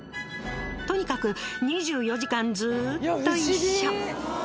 とにかく２４時間ずっと一緒！